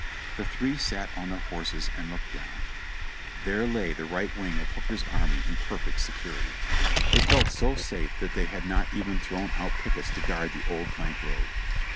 The three sat on their horses and looked down. There lay the THE PII.I.AR 0? THie CONI^KDDRACY FALLS 369 right wing of Hooker's army in perfect security. They felt so safe that they had not even thrown out pickets to guard the old plank road.